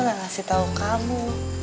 gak ngasih tau kamu